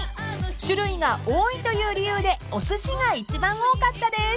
［種類が多いという理由でおすしが一番多かったです］